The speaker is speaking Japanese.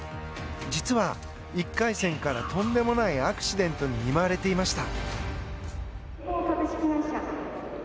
実は１回戦からとんでもないアクシデントに見舞われていました。